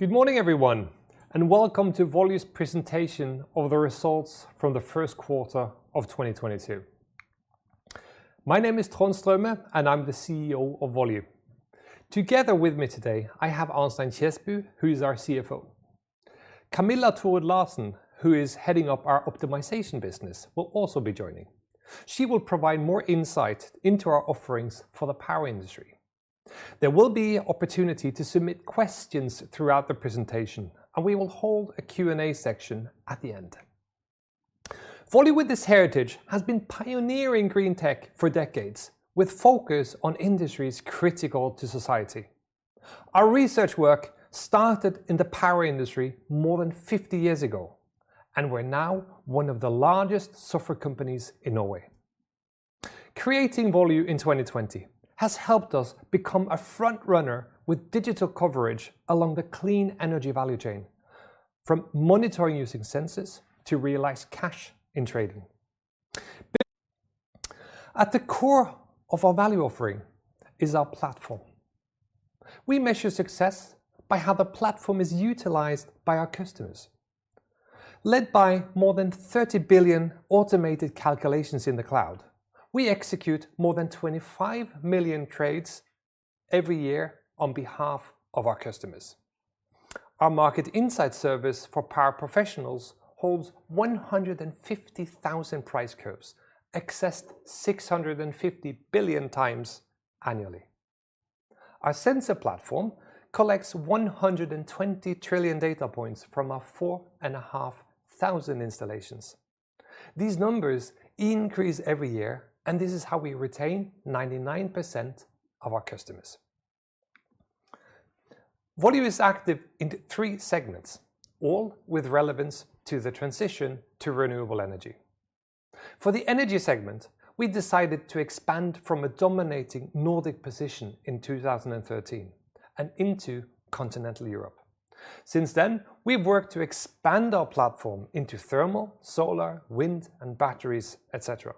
Good morning, everyone, and welcome to Volue's presentation of the results from the first quarter of 2022. My name is Trond Straume, and I'm the CEO of Volue. Together with me today, I have Arnstein Kjesbu, who is our CFO. Camilla Thorrud Larsen, who is heading up our optimization business, will also be joining. She will provide more insight into our offerings for the power industry. There will be opportunity to submit questions throughout the presentation, and we will hold a Q&A section at the end. Volue, with this heritage, has been pioneering green tech for decades, with focus on industries critical to society. Our research work started in the power industry more than 50 years ago, and we're now one of the largest software companies in Norway. Creating Volue in 2020 has helped us become a front runner with digital coverage along the clean energy value chain, from monitoring using sensors to realize cash in trading. At the core of our value offering is our platform. We measure success by how the platform is utilized by our customers. Led by more than 30 billion automated calculations in the cloud, we execute more than 25 million trades every year on behalf of our customers. Our market insight service for power professionals holds 150,000 price curves, accessed 650 billion times annually. Our sensor platform collects 120 trillion data points from our 4,500 installations. These numbers increase every year, and this is how we retain 99% of our customers. Volue is active in three segments, all with relevance to the transition to renewable energy. For the energy segment, we decided to expand from a dominating Nordic position in 2013 and into continental Europe. Since then, we've worked to expand our platform into thermal, solar, wind, and batteries, et cetera.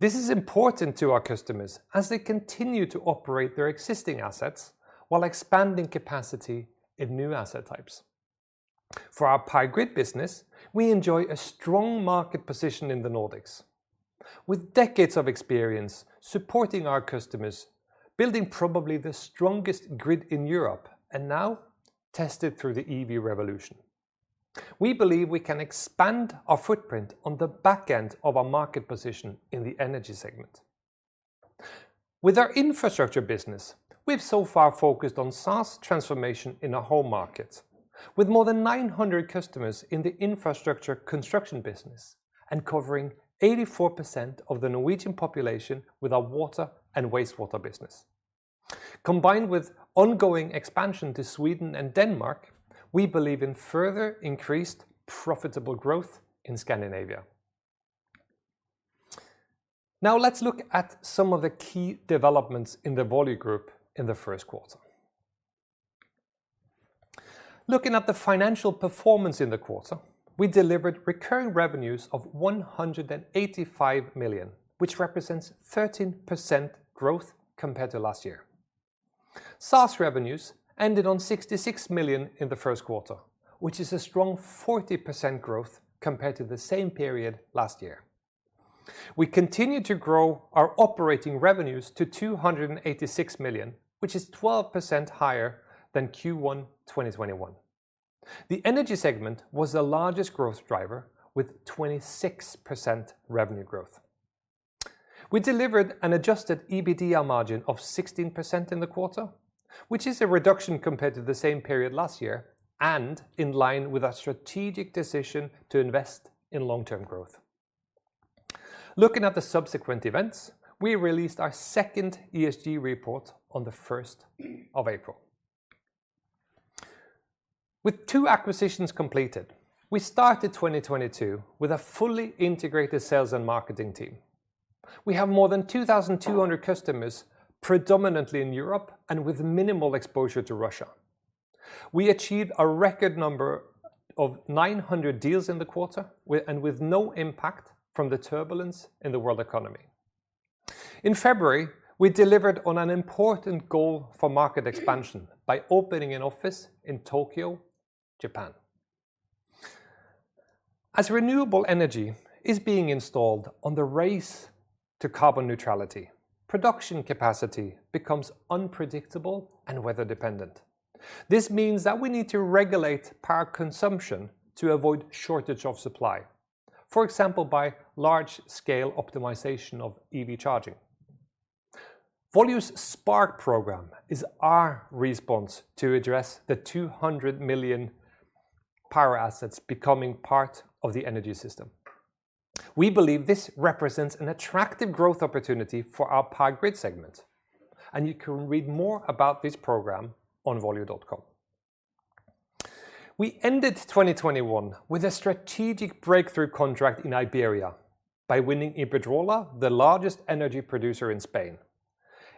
This is important to our customers as they continue to operate their existing assets while expanding capacity in new asset types. For our Power Grid business, we enjoy a strong market position in the Nordics. With decades of experience supporting our customers, building probably the strongest grid in Europe, and now tested through the EV revolution. We believe we can expand our footprint on the back end of our market position in the energy segment. With our infrastructure business, we've so far focused on SaaS transformation in our home market. With more than 900 customers in the infrastructure construction business and covering 84% of the Norwegian population with our water and wastewater business. Combined with ongoing expansion to Sweden and Denmark, we believe in further increased profitable growth in Scandinavia. Now let's look at some of the key developments in the Volue group in the first quarter. Looking at the financial performance in the quarter, we delivered recurring revenues of 185 million, which represents 13% growth compared to last year. SaaS revenues ended at 66 million in the first quarter, which is a strong 40% growth compared to the same period last year. We continued to grow our operating revenues to 286 million, which is 12% higher than Q1 2021. The energy segment was the largest growth driver with 26% revenue growth. We delivered an adjusted EBITDA margin of 16% in the quarter, which is a reduction compared to the same period last year and in line with our strategic decision to invest in long-term growth. Looking at the subsequent events, we released our second ESG report on the first of April. With two acquisitions completed, we started 2022 with a fully integrated sales and marketing team. We have more than 2,200 customers, predominantly in Europe and with minimal exposure to Russia. We achieved a record number of 900 deals in the quarter, and with no impact from the turbulence in the world economy. In February, we delivered on an important goal for market expansion by opening an office in Tokyo, Japan. As renewable energy is being installed in the race to carbon neutrality, production capacity becomes unpredictable and weather-dependent. This means that we need to regulate power consumption to avoid shortage of supply, for example, by large-scale optimization of EV charging. Volue's Spark program is our response to address the 200 million power assets becoming part of the energy system. We believe this represents an attractive growth opportunity for our Power Grid segment, and you can read more about this program on volue.com. We ended 2021 with a strategic breakthrough contract in Iberia by winning Iberdrola, the largest energy producer in Spain.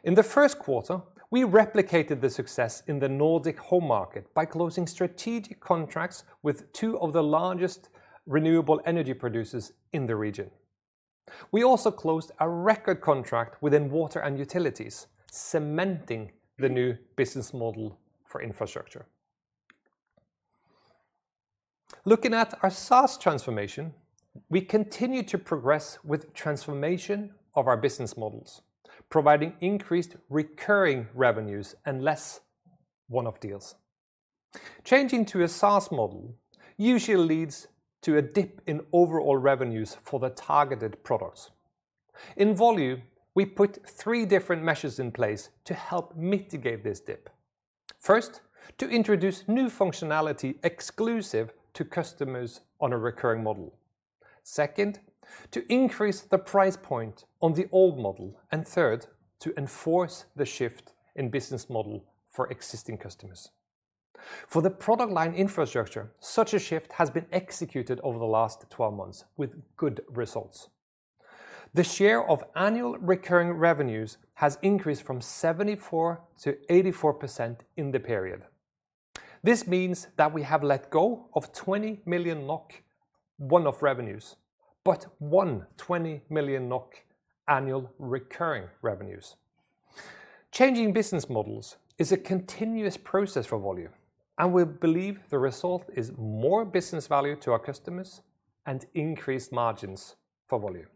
In the first quarter, we replicated the success in the Nordic home market by closing strategic contracts with two of the largest renewable energy producers in the region. We also closed a record contract within water and utilities, cementing the new business model for infrastructure. Looking at our SaaS transformation, we continue to progress with transformation of our business models, providing increased recurring revenues and less one-off deals. Changing to a SaaS model usually leads to a dip in overall revenues for the targeted products. In Volue, we put three different measures in place to help mitigate this dip. First, to introduce new functionality exclusive to customers on a recurring model. Second, to increase the price point on the old model. Third, to enforce the shift in business model for existing customers. For the product line infrastructure, such a shift has been executed over the last 12 months with good results. The share of annual recurring revenues has increased from 74%-84% in the period. This means that we have let go of 20 million NOK one-off revenues, but 120 million NOK annual recurring revenues. Changing business models is a continuous process for Volue, and we believe the result is more business value to our customers and increased margins for Volue.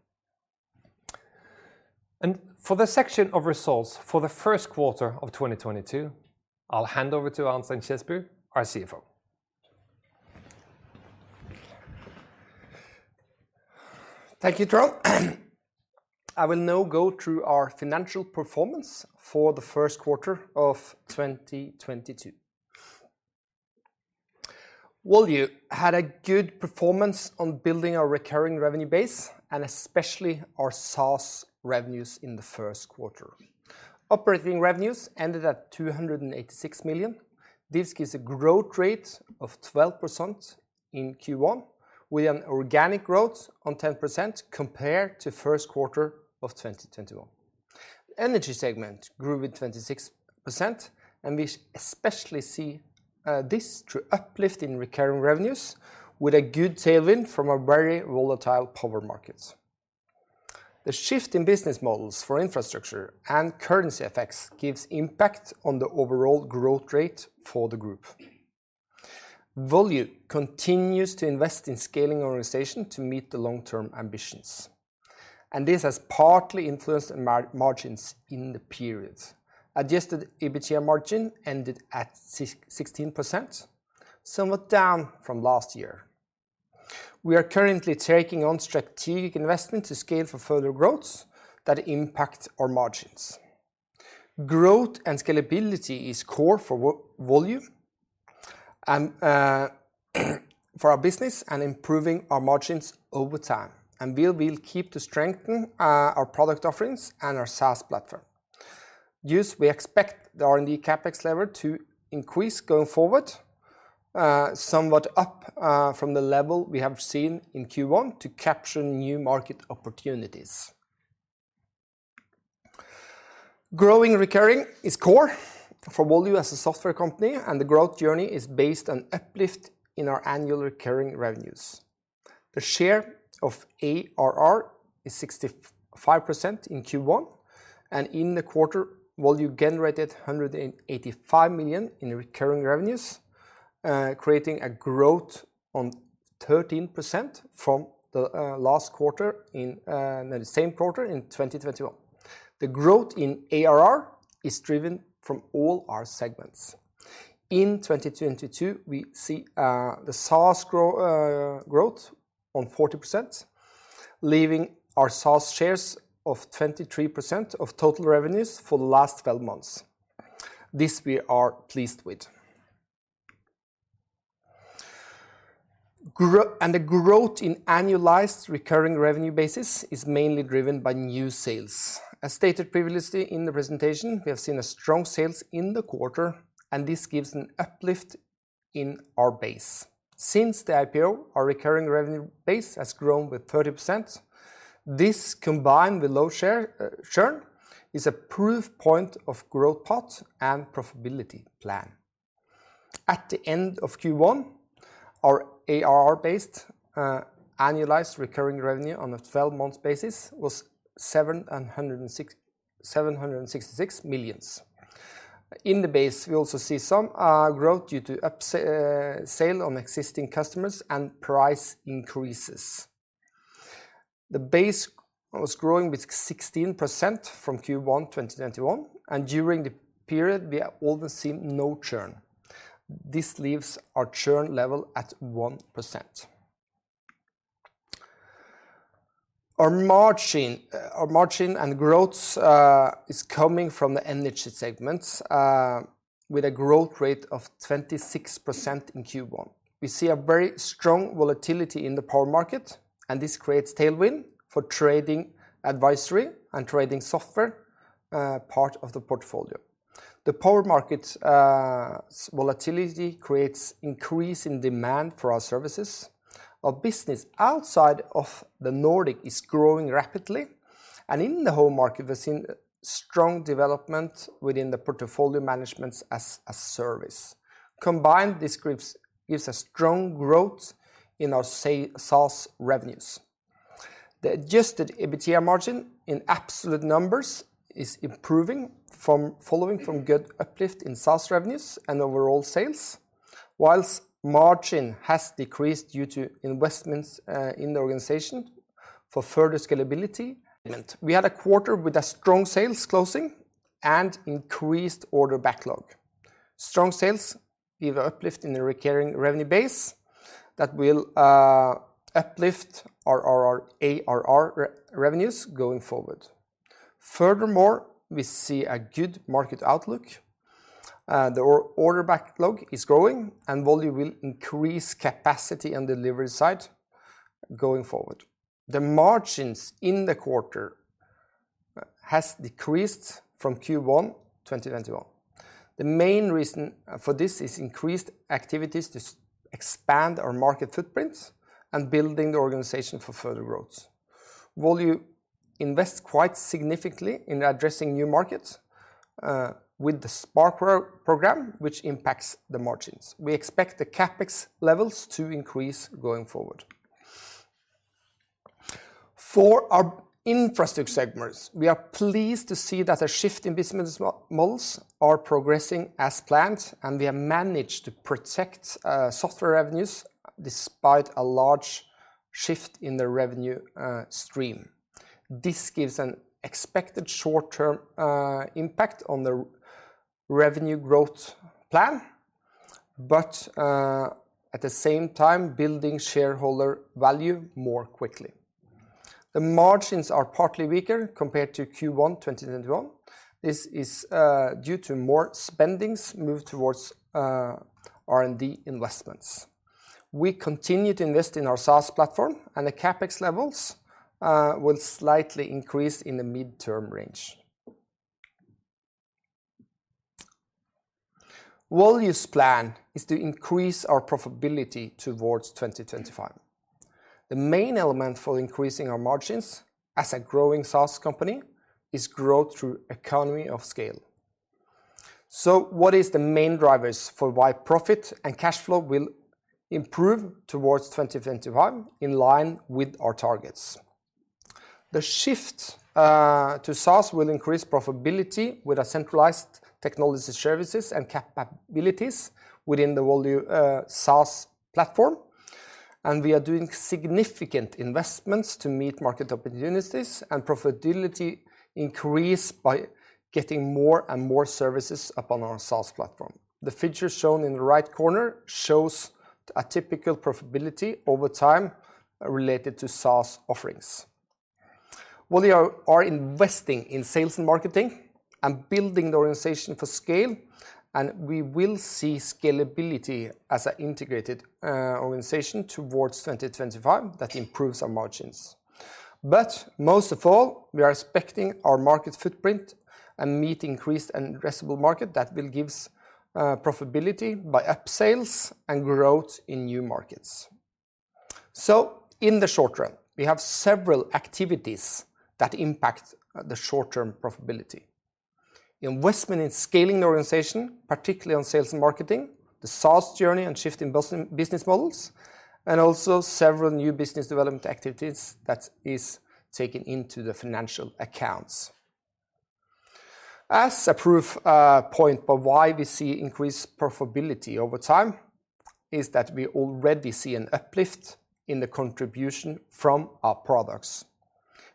For the section of results for the first quarter of 2022, I'll hand over to Arnstein Kjesbu, our CFO. Thank you, Trond. I will now go through our financial performance for the first quarter of 2022. Volue had a good performance on building our recurring revenue base and especially our SaaS revenues in the first quarter. Operating revenues ended at 286 million. This gives a growth rate of 12% in Q1, with an organic growth of 10% compared to first quarter of 2021. Energy segment grew with 26%, and we especially see this through uplift in recurring revenues with a good tailwind from a very volatile power market. The shift in business models for infrastructure and currency effects gives impact on the overall growth rate for the group. Volue continues to invest in scaling organization to meet the long-term ambitions, and this has partly influenced margins in the period. Adjusted EBITDA margin ended at 16%, somewhat down from last year. We are currently taking on strategic investment to scale for further growth that impact our margins. Growth and scalability is core for Volue and for our business and improving our margins over time. We will keep to strengthen our product offerings and our SaaS platform. Thus we expect the R&D CapEx level to increase going forward, somewhat up, from the level we have seen in Q1 to capture new market opportunities. Growing recurring is core for Volue as a software company, and the growth journey is based on uplift in our annual recurring revenues. The share of ARR is 65% in Q1. In the quarter, Volue generated 185 million in recurring revenues, creating a growth of 13% from the same quarter in 2021. The growth in ARR is driven from all our segments. In 2022, we see the SaaS growth of 40%, leaving our SaaS share of 23% of total revenues for the last twelve months. This we are pleased with. The growth in annualized recurring revenue basis is mainly driven by new sales. As stated previously in the presentation, we have seen strong sales in the quarter, and this gives an uplift in our base. Since the IPO, our recurring revenue base has grown with 30%. This, combined with low churn, is a proof point of growth path and profitability plan. At the end of Q1, our ARR based annualized recurring revenue on a twelve-month basis was 766 million. In the base, we also see some growth due to upsell on existing customers and price increases. The base was growing with 16% from Q1 2021, and during the period we have also seen no churn. This leaves our churn level at 1%. Our margin, our margin and growth, is coming from the energy segments, with a growth rate of 26% in Q1. We see a very strong volatility in the power market, and this creates tailwind for trading advisory and trading software part of the portfolio. The power market's volatility creates increase in demand for our services. Our business outside of the Nordic is growing rapidly. In the home market, we've seen strong development within the portfolio managements as a service. Combined, this groups gives a strong growth in our SaaS revenues. The adjusted EBITDA margin in absolute numbers is improving following from good uplift in SaaS revenues and overall sales. While margin has decreased due to investments in the organization for further scalability. We had a quarter with a strong sales closing and increased order backlog. Strong sales give uplift in the recurring revenue base that will uplift our ARR revenues going forward. Furthermore, we see a good market outlook. The order backlog is growing, and Volue will increase capacity and delivery side going forward. The margins in the quarter has decreased from Q1 2021. The main reason for this is increased activities to expand our market footprints and building the organization for further growth. Volue invest quite significantly in addressing new markets with the Spark program, which impacts the margins. We expect the CapEx levels to increase going forward. For our Infrastructure segments, we are pleased to see that a shift in business models are progressing as planned, and we have managed to protect software revenues despite a large shift in the revenue stream. This gives an expected short-term impact on the revenue growth plan, but at the same time, building shareholder value more quickly. The margins are partly weaker compared to Q1 2021. This is due to more spending moved towards R&D investments. We continue to invest in our SaaS platform, and the CapEx levels will slightly increase in the midterm range. Volue's plan is to increase our profitability towards 2025. The main element for increasing our margins as a growing SaaS company is growth through economy of scale. What is the main drivers for why profit and cash flow will improve towards 2025 in line with our targets? The shift to SaaS will increase profitability with a centralized technology services and capabilities within the Volue SaaS platform, and we are doing significant investments to meet market opportunities and profitability increase by getting more and more services up on our SaaS platform. The figure shown in the right corner shows a typical profitability over time related to SaaS offerings. Volue are investing in sales and marketing and building the organization for scale, and we will see scalability as an integrated organization towards 2025 that improves our margins. Most of all, we are expecting our market footprint to meet increased and addressable market that will give profitability by upsales and growth in new markets. In the short run, we have several activities that impact the short-term profitability. Investment in scaling the organization, particularly on sales and marketing, the SaaS journey and shift in business models, and also several new business development activities that is taken into the financial accounts. As a proof point for why we see increased profitability over time is that we already see an uplift in the contribution from our products,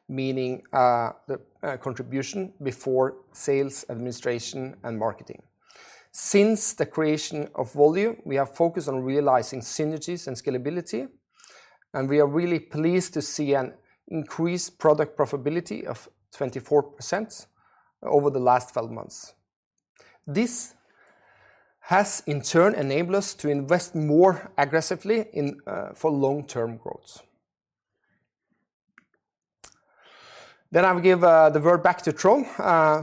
meaning the contribution before sales, administration, and marketing. Since the creation of Volue, we have focused on realizing synergies and scalability, and we are really pleased to see an increased product profitability of 24% over the last 12 months. This has in turn enabled us to invest more aggressively in for long-term growth. I will give the word back to Trond,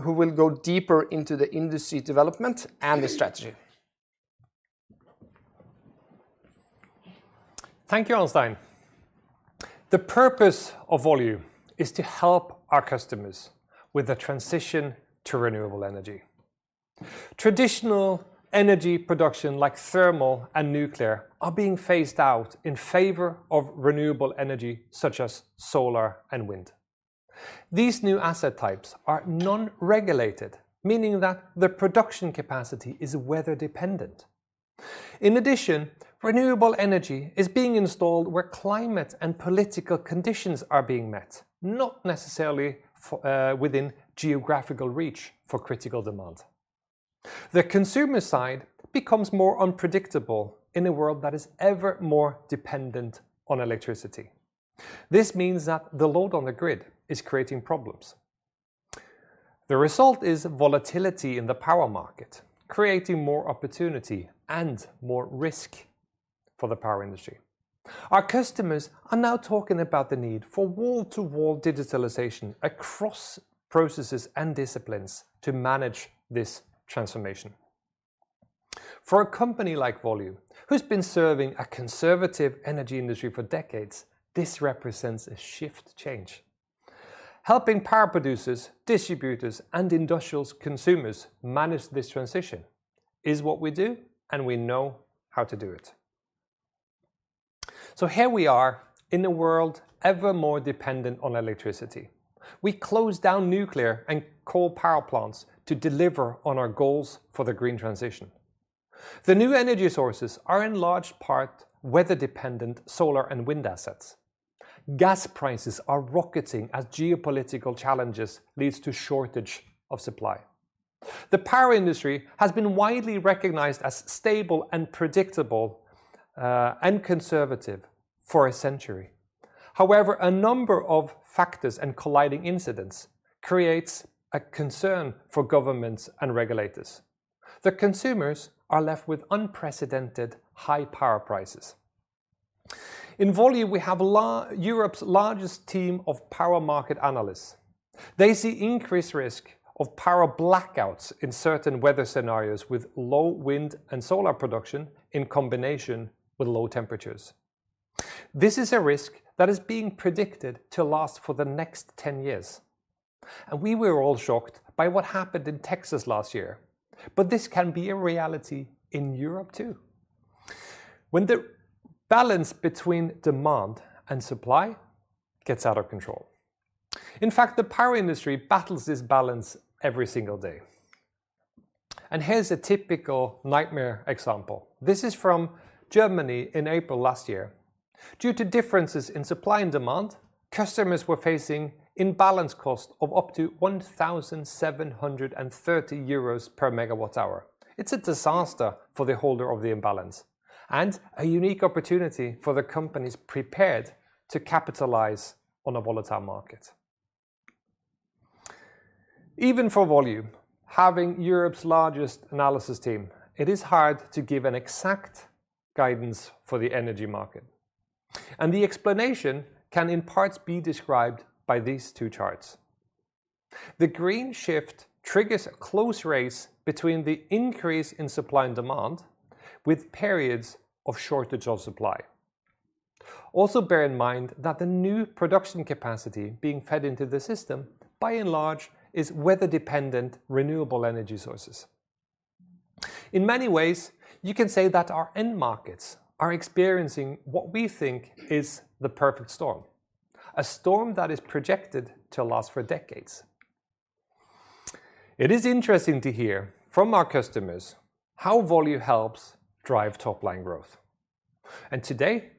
who will go deeper into the industry development and the strategy. Thank you, Arnstein. The purpose of Volue is to help our customers with the transition to renewable energy. Traditional energy production like thermal and nuclear are being phased out in favor of renewable energy such as solar and wind. These new asset types are non-regulated, meaning that their production capacity is weather-dependent. In addition, renewable energy is being installed where climate and political conditions are being met, not necessarily for, within geographical reach for critical demand. The consumer side becomes more unpredictable in a world that is ever more dependent on electricity. This means that the load on the grid is creating problems. The result is volatility in the power market, creating more opportunity and more risk for the power industry. Our customers are now talking about the need for wall-to-wall digitalization across processes and disciplines to manage this transformation. For a company like Volue, who's been serving a conservative energy industry for decades, this represents a shift change. Helping power producers, distributors, and industrial consumers manage this transition is what we do, and we know how to do it. Here we are in a world ever more dependent on electricity. We close down nuclear and coal power plants to deliver on our goals for the green transition. The new energy sources are in large part weather-dependent solar and wind assets. Gas prices are rocketing as geopolitical challenges leads to shortage of supply. The power industry has been widely recognized as stable and predictable, and conservative for a century. However, a number of factors and colliding incidents creates a concern for governments and regulators. The consumers are left with unprecedented high power prices. In Volue, we have Europe's largest team of power market analysts. They see increased risk of power blackouts in certain weather scenarios with low wind and solar production in combination with low temperatures. This is a risk that is being predicted to last for the next 10 years. We were all shocked by what happened in Texas last year, but this can be a reality in Europe, too, when the balance between demand and supply gets out of control. In fact, the power industry battles this balance every single day, and here's a typical nightmare example. This is from Germany in April last year. Due to differences in supply and demand, customers were facing imbalance cost of up to 1,730 euros per MWh. It's a disaster for the holder of the imbalance and a unique opportunity for the companies prepared to capitalize on a volatile market. Even for Volue, having Europe's largest analysis team, it is hard to give an exact guidance for the energy market, and the explanation can in parts be described by these two charts. The green shift triggers a close race between the increase in supply and demand with periods of shortage of supply. Also bear in mind that the new production capacity being fed into the system by and large is weather-dependent renewable energy sources. In many ways, you can say that our end markets are experiencing what we think is the perfect storm, a storm that is projected to last for decades. It is interesting to hear from our customers how Volue helps drive top-line growth, and today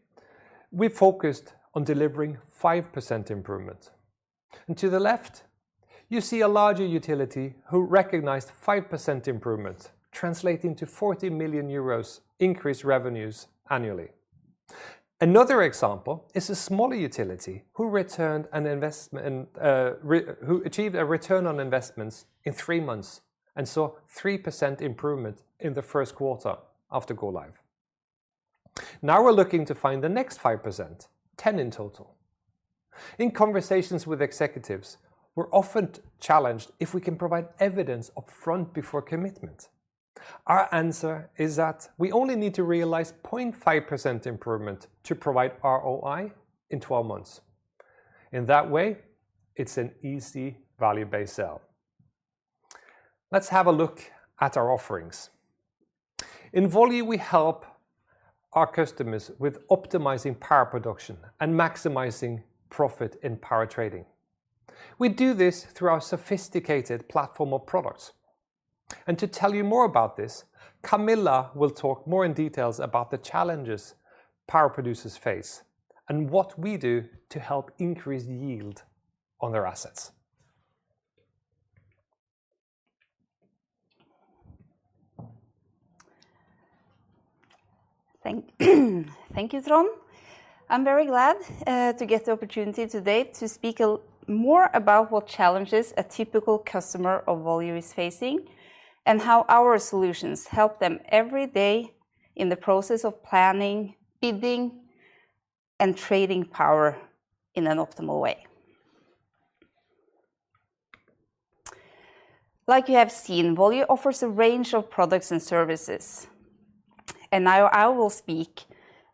we focused on delivering 5% improvement. To the left, you see a larger utility who recognized 5% improvement translating to 40 million euros increased revenues annually. Another example is a smaller utility who achieved a return on investments in three months and saw 3% improvement in the first quarter after go live. Now we're looking to find the next 5%, 10% in total. In conversations with executives, we're often challenged if we can provide evidence upfront before commitment. Our answer is that we only need to realize 0.5% improvement to provide ROI in 12 months. In that way, it's an easy value-based sell. Let's have a look at our offerings. In Volue, we help our customers with optimizing power production and maximizing profit in power trading. We do this through our sophisticated platform of products. To tell you more about this, Camilla will talk more in detail about the challenges power producers face and what we do to help increase yield on their assets. Thank you, Trond. I'm very glad to get the opportunity today to speak more about what challenges a typical customer of Volue is facing and how our solutions help them every day in the process of planning, bidding, and trading power in an optimal way. Like you have seen, Volue offers a range of products and services, and now I will speak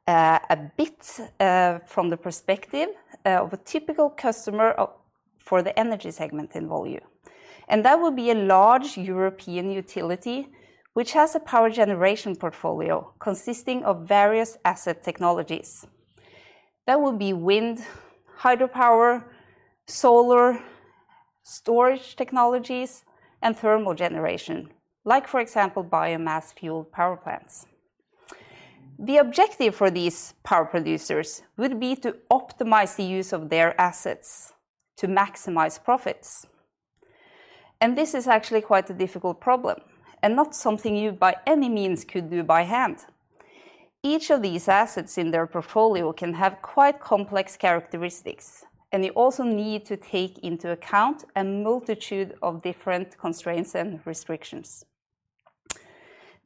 a bit from the perspective of a typical customer for the energy segment in Volue. That would be a large European utility which has a power generation portfolio consisting of various asset technologies. That would be wind, hydropower, solar, storage technologies, and thermal generation, like for example, biomass-fueled power plants. The objective for these power producers would be to optimize the use of their assets to maximize profits, and this is actually quite a difficult problem and not something you by any means could do by hand. Each of these assets in their portfolio can have quite complex characteristics, and you also need to take into account a multitude of different constraints and restrictions.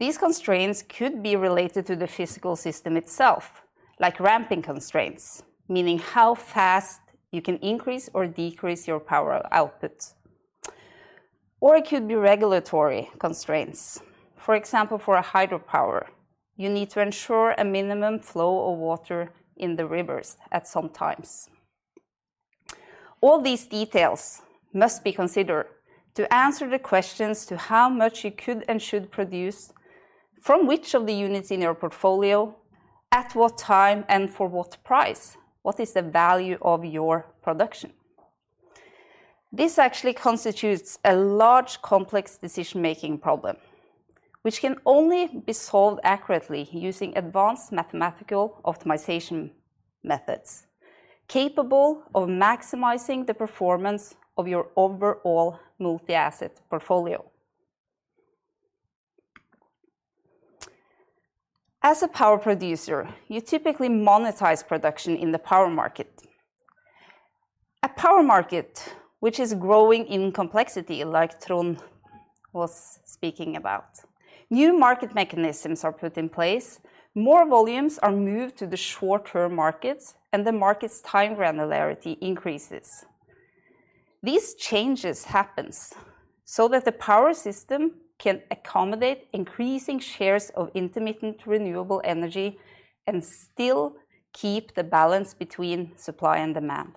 These constraints could be related to the physical system itself, like ramping constraints, meaning how fast you can increase or decrease your power output. It could be regulatory constraints. For example, for a hydropower, you need to ensure a minimum flow of water in the rivers at some times. All these details must be considered to answer the questions to how much you could and should produce from which of the units in your portfolio, at what time, and for what price. What is the value of your production? This actually constitutes a large, complex decision-making problem, which can only be solved accurately using advanced mathematical optimization methods, capable of maximizing the performance of your overall multi-asset portfolio. As a power producer, you typically monetize production in the power market. A power market which is growing in complexity, like Trond was speaking about. New market mechanisms are put in place, more volumes are moved to the short-term markets, and the market's time granularity increases. These changes happens so that the power system can accommodate increasing shares of intermittent renewable energy and still keep the balance between supply and demand.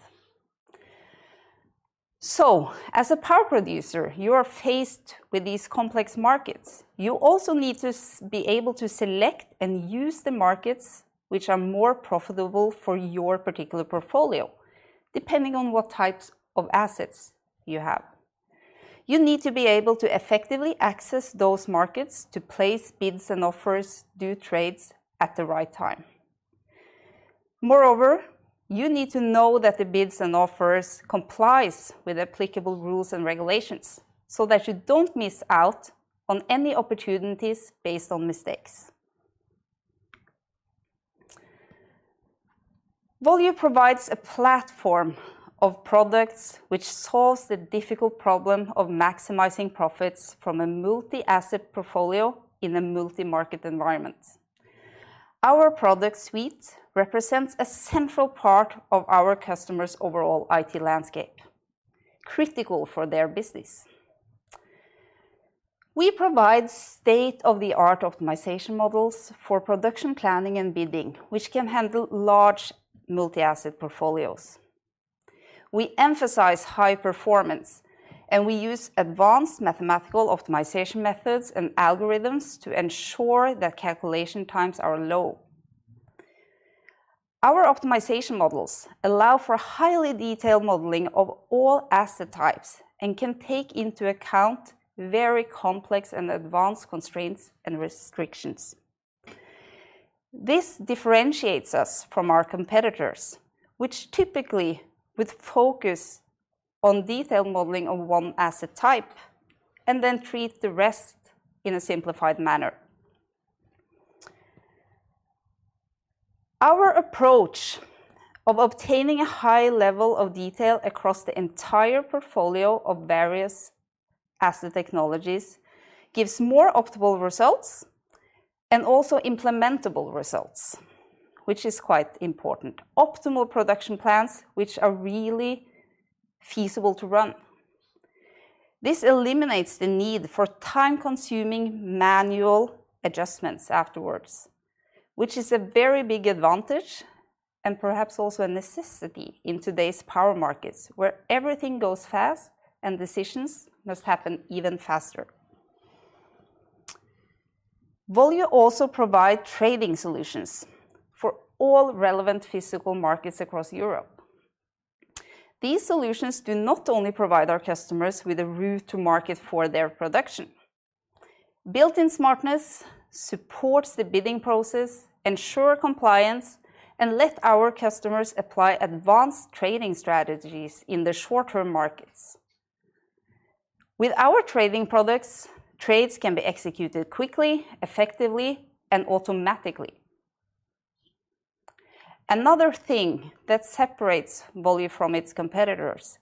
As a power producer, you are faced with these complex markets. You also need to be able to select and use the markets which are more profitable for your particular portfolio, depending on what types of assets you have. You need to be able to effectively access those markets to place bids and offers, do trades at the right time. Moreover, you need to know that the bids and offers comply with applicable rules and regulations, so that you don't miss out on any opportunities based on mistakes. Volue provides a platform of products which solves the difficult problem of maximizing profits from a multi-asset portfolio in a multi-market environment. Our product suite represents a central part of our customers' overall IT landscape, critical for their business. We provide state-of-the-art optimization models for production planning and bidding, which can handle large multi-asset portfolios. We emphasize high performance, and we use advanced mathematical optimization methods and algorithms to ensure that calculation times are low. Our optimization models allow for highly detailed modeling of all asset types and can take into account very complex and advanced constraints and restrictions. This differentiates us from our competitors, which typically would focus on detailed modeling of one asset type and then treat the rest in a simplified manner. Our approach of obtaining a high level of detail across the entire portfolio of various asset technologies gives more optimal results and also implementable results, which is quite important. Optimal production plans which are really feasible to run. This eliminates the need for time-consuming manual adjustments afterwards, which is a very big advantage and perhaps also a necessity in today's power markets, where everything goes fast and decisions must happen even faster. Volue also provide trading solutions for all relevant physical markets across Europe. These solutions do not only provide our customers with a route to market for their production. Built-in smartness supports the bidding process, ensure compliance, and let our customers apply advanced trading strategies in the short-term markets. With our trading products, trades can be executed quickly, effectively, and automatically. Another thing that separates Volue from its competitors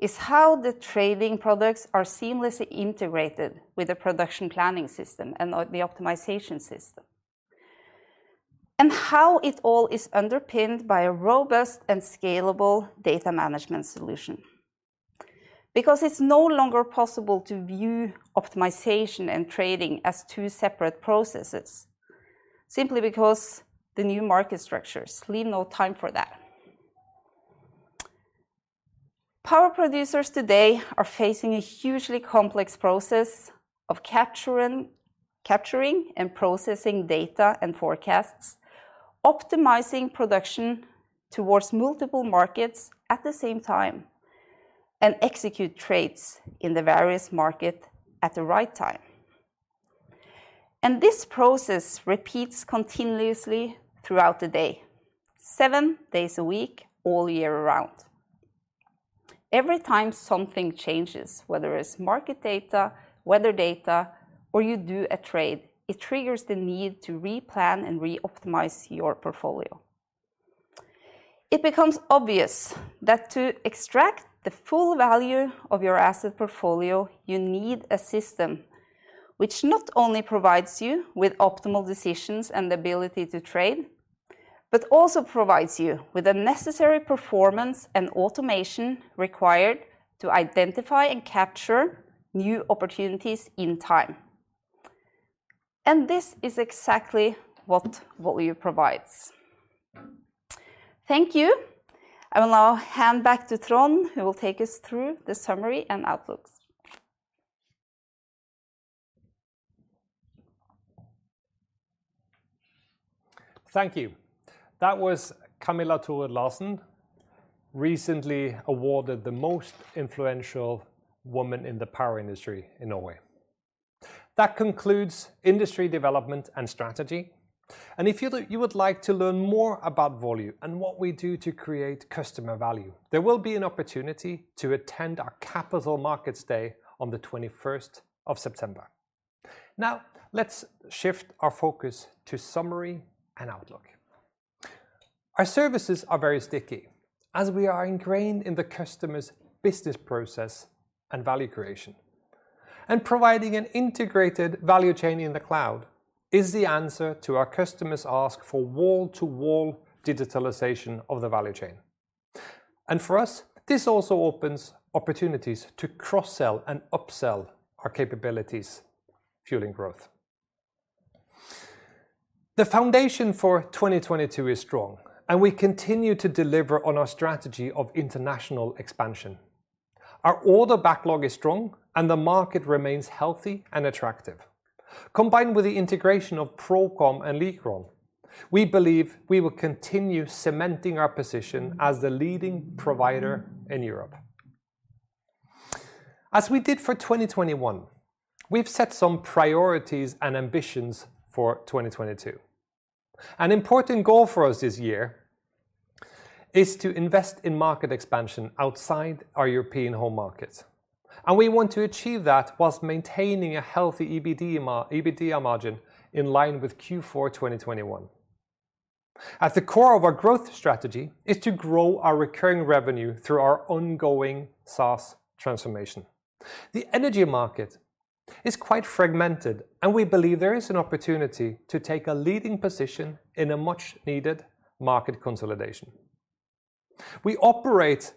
is how the trading products are seamlessly integrated with the production planning system and the optimization system, and how it all is underpinned by a robust and scalable data management solution. Because it's no longer possible to view optimization and trading as two separate processes, simply because the new market structures leave no time for that. Power producers today are facing a hugely complex process of capturing and processing data and forecasts, optimizing production towards multiple markets at the same time, and execute trades in the various market at the right time. This process repeats continuously throughout the day, seven days a week, all year round. Every time something changes, whether it's market data, weather data, or you do a trade, it triggers the need to replan and reoptimize your portfolio. It becomes obvious that to extract the full value of your asset portfolio, you need a system which not only provides you with optimal decisions and the ability to trade but also provides you with the necessary performance and automation required to identify and capture new opportunities in time. This is exactly what Volue provides. Thank you. I will now hand back to Trond, who will take us through the summary and outlooks. Thank you. That was Camilla Thorrud Larsen, recently awarded the most influential woman in the power industry in Norway. That concludes industry development and strategy. If you would like to learn more about Volue and what we do to create customer value, there will be an opportunity to attend our Capital Markets Day on the 21st of September. Now, let's shift our focus to summary and outlook. Our services are very sticky as we are ingrained in the customer's business process and value creation. Providing an integrated value chain in the cloud is the answer to our customers' ask for wall-to-wall digitalization of the value chain. For us, this also opens opportunities to cross-sell and upsell our capabilities, fueling growth. The foundation for 2022 is strong, and we continue to deliver on our strategy of international expansion. Our order backlog is strong and the market remains healthy and attractive. Combined with the integration of ProCom and Likron, we believe we will continue cementing our position as the leading provider in Europe. As we did for 2021, we've set some priorities and ambitions for 2022. An important goal for us this year is to invest in market expansion outside our European home markets, and we want to achieve that while maintaining a healthy EBITDA margin in line with Q4 2021. At the core of our growth strategy is to grow our recurring revenue through our ongoing SaaS transformation. The energy market is quite fragmented, and we believe there is an opportunity to take a leading position in a much-needed market consolidation. We operate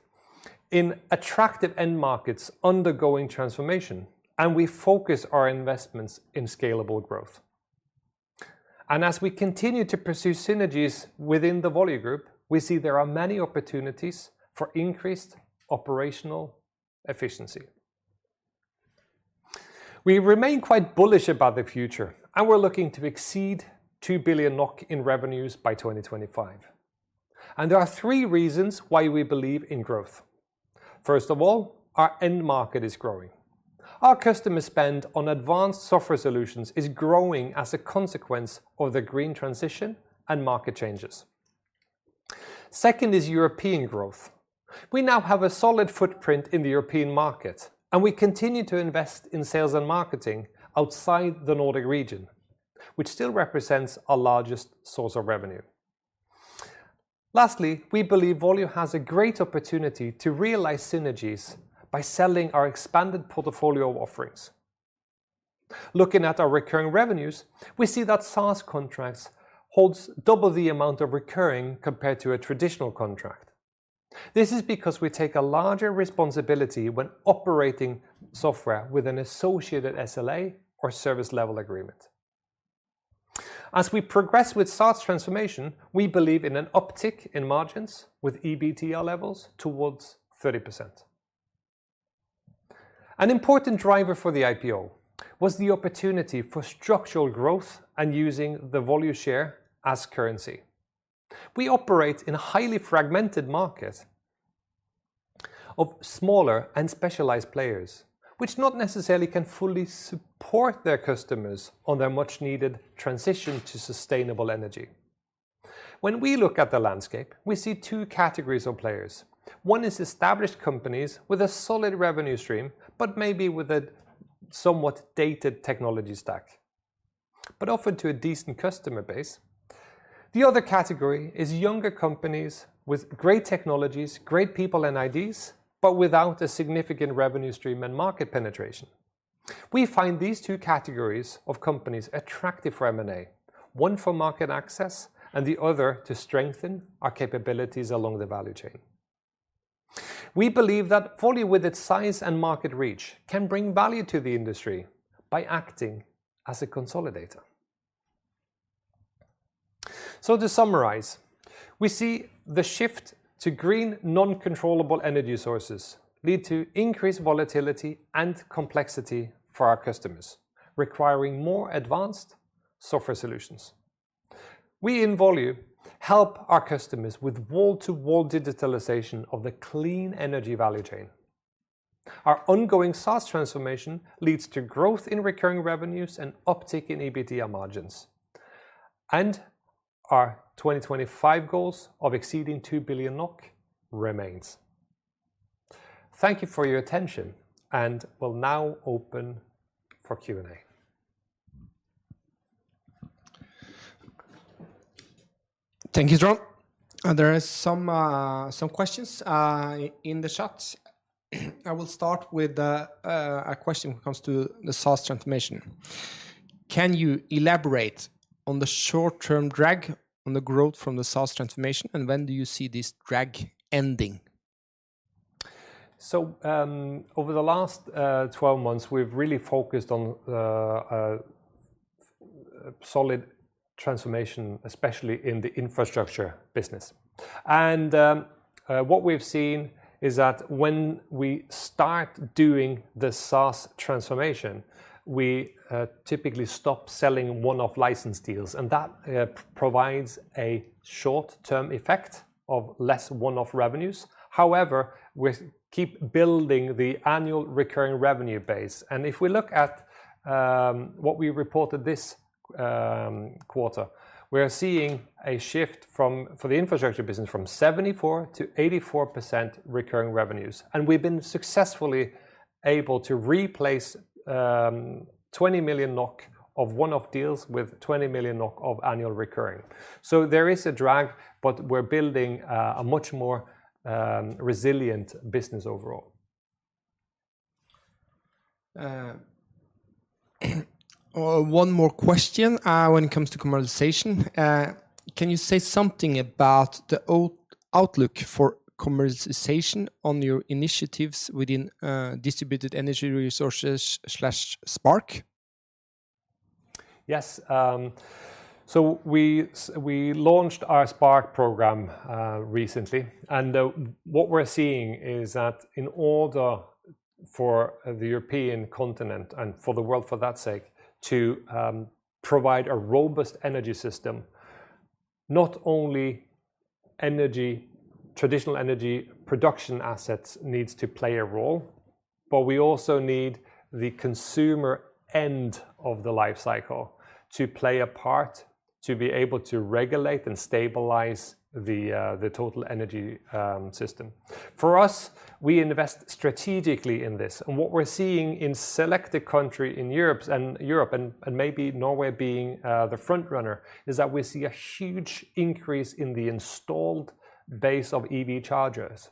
in attractive end markets undergoing transformation, and we focus our investments in scalable growth. As we continue to pursue synergies within the Volue group, we see there are many opportunities for increased operational efficiency. We remain quite bullish about the future, and we're looking to exceed 2 billion NOK in revenues by 2025. There are three reasons why we believe in growth. First of all, our end market is growing. Our customer spend on advanced software solutions is growing as a consequence of the green transition and market changes. Second is European growth. We now have a solid footprint in the European market, and we continue to invest in sales and marketing outside the Nordic region, which still represents our largest source of revenue. Lastly, we believe Volue has a great opportunity to realize synergies by selling our expanded portfolio of offerings. Looking at our recurring revenues, we see that SaaS contracts holds double the amount of recurring compared to a traditional contract. This is because we take a larger responsibility when operating software with an associated SLA or service level agreement. As we progress with SaaS transformation, we believe in an uptick in margins with EBITDA levels towards 30%. An important driver for the IPO was the opportunity for structural growth and using the Volue share as currency. We operate in a highly fragmented market of smaller and specialized players, which not necessarily can fully support their customers on their much-needed transition to sustainable energy. When we look at the landscape, we see two categories of players. One is established companies with a solid revenue stream, but maybe with a somewhat dated technology stack, but offered to a decent customer base. The other category is younger companies with great technologies, great people and ideas, but without a significant revenue stream and market penetration. We find these two categories of companies attractive for M&A, one for market access and the other to strengthen our capabilities along the value chain. We believe that Volue with its size and market reach, can bring value to the industry by acting as a consolidator. To summarize, we see the shift to green non-controllable energy sources lead to increased volatility and complexity for our customers, requiring more advanced software solutions. We in Volue help our customers with wall-to-wall digitalization of the clean energy value chain. Our ongoing SaaS transformation leads to growth in recurring revenues and uptick in EBITDA margins. Our 2025 goals of exceeding 2 billion NOK remains. Thank you for your attention, and we'll now open for Q&A. Thank you, Trond. There is some questions in the chat. I will start with a question when it comes to the SaaS transformation. Can you elaborate on the short-term drag on the growth from the SaaS transformation, and when do you see this drag ending? Over the last 12 months, we've really focused on solid transformation, especially in the infrastructure business. What we've seen is that when we start doing the SaaS transformation, we typically stop selling one-off license deals, and that provides a short-term effect of less one-off revenues. However, we keep building the annual recurring revenue base. If we look at what we reported this quarter, we are seeing a shift from, for the infrastructure business, from 74%-84% recurring revenues. We've been successfully able to replace 20 million NOK of one-off deals with 20 million NOK of annual recurring. There is a drag, but we're building a much more resilient business overall. One more question, when it comes to commercialization. Can you say something about the outlook for commercialization on your initiatives within distributed energy resources/Spark? Yes. We launched our Spark program recently. What we're seeing is that in order for the European continent and for the world for that sake to provide a robust energy system, not only energy traditional energy production assets needs to play a role, but we also need the consumer end of the life cycle to play a part, to be able to regulate and stabilize the total energy system. For us, we invest strategically in this. What we're seeing in selected country in Europe and maybe Norway being the front runner is that we see a huge increase in the installed base of EV chargers,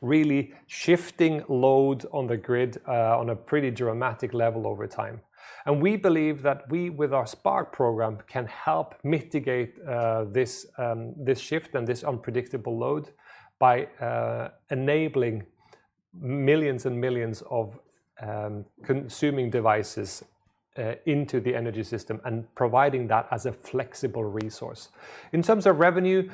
really shifting load on the grid on a pretty dramatic level over time. We believe that we, with our Spark program, can help mitigate this shift and this unpredictable load by enabling millions and millions of consuming devices into the energy system and providing that as a flexible resource. In terms of revenue,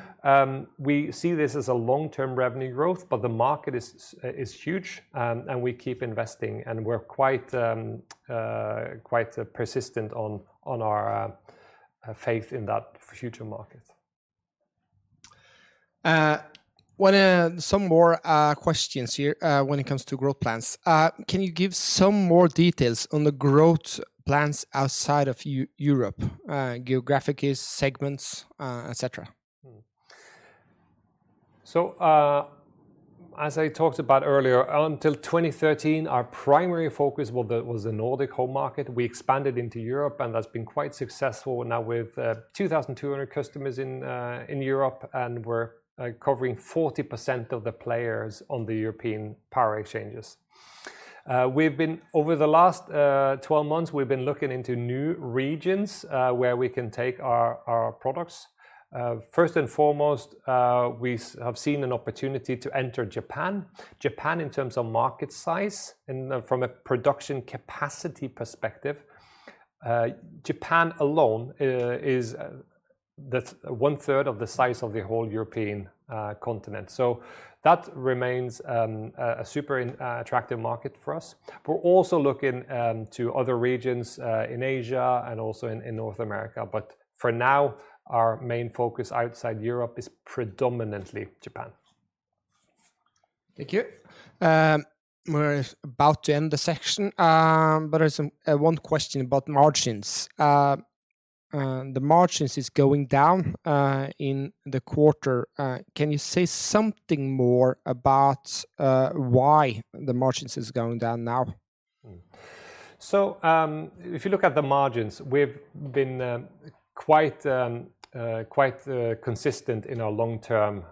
we see this as a long-term revenue growth, but the market is huge, and we keep investing, and we're quite persistent on our faith in that future market. Some more questions here when it comes to growth plans. Can you give some more details on the growth plans outside of Europe, geographies, segments, et cetera? As I talked about earlier, until 2013, our primary focus was the Nordic home market. We expanded into Europe, and that's been quite successful now with 2,200 customers in Europe, and we're covering 40% of the players on the European power exchanges. Over the last 12 months, we've been looking into new regions where we can take our products. First and foremost, we have seen an opportunity to enter Japan. Japan, in terms of market size and from a production capacity perspective, Japan alone is 1/3 of the size of the whole European continent. That remains a super attractive market for us. We're also looking to other regions in Asia and also in North America. For now, our main focus outside Europe is predominantly Japan. Thank you. We're about to end the section. There's one question about margins. The margins is going down in the quarter. Can you say something more about why the margins is going down now? If you look at the margins, we've been quite consistent in our long-term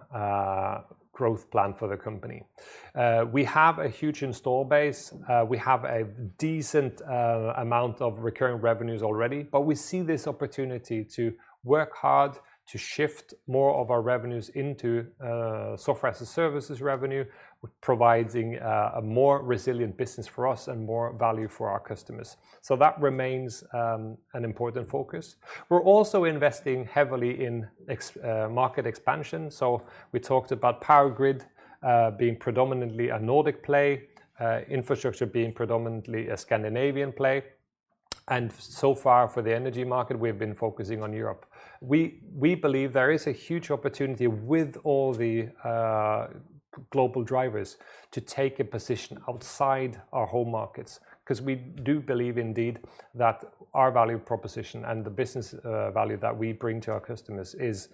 growth plan for the company. We have a huge install base. We have a decent amount of recurring revenues already. We see this opportunity to work hard to shift more of our revenues into software as a service revenue, providing a more resilient business for us and more value for our customers. That remains an important focus. We're also investing heavily in market expansion. We talked about power grid being predominantly a Nordic play, infrastructure being predominantly a Scandinavian play, and so far for the energy market, we've been focusing on Europe. We believe there is a huge opportunity with all the global drivers to take a position outside our home markets, 'cause we do believe indeed that our value proposition and the business value that we bring to our customers is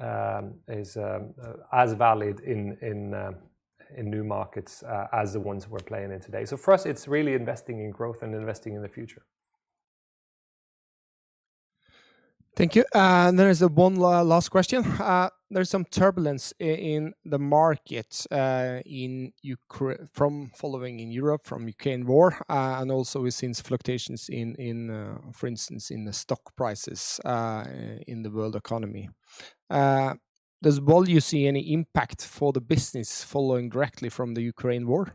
as valid in new markets as the ones we're playing in today. For us, it's really investing in growth and investing in the future. Thank you. There is one last question. There's some turbulence in the market, in Ukraine and following in Europe from Ukraine war, and also we've seen fluctuations in, for instance, in the stock prices, in the world economy. Does Volue see any impact for the business following directly from the Ukraine war?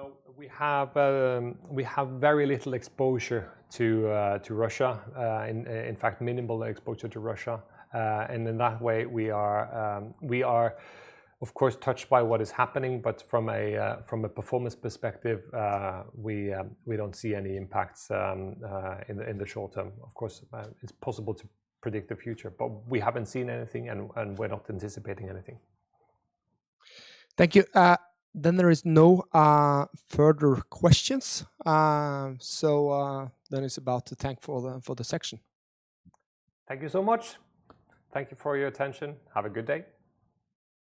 No. We have very little exposure to Russia, in fact, minimal exposure to Russia. In that way, we are of course touched by what is happening, but from a performance perspective, we don't see any impacts in the short term. Of course, it's possible to predict the future, but we haven't seen anything and we're not anticipating anything. Thank you. There is no further questions. It's time to thank for the section. Thank you so much. Thank you for your attention. Have a good day.